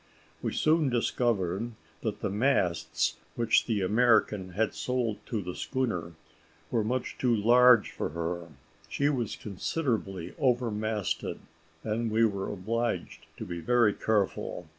We soon discovered that the masts which the American had sold to the schooner were much too large for her: she was considerably overmasted, and we were obliged to be very careful.